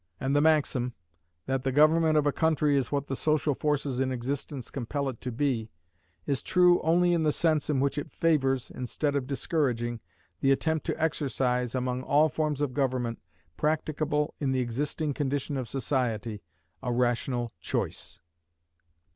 And the maxim, that the government of a country is what the social forces in existence compel it to be, is true only in the sense in which it favors, instead of discouraging, the attempt to exercise, among all forms of government practicable in the existing condition of society, a rational choice.